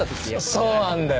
そうなんだよ。